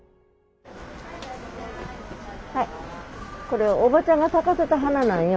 はいこれおばちゃんが咲かせた花なんよ。